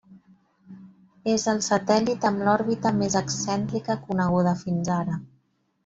És el satèl·lit amb l'òrbita més excèntrica coneguda fins ara.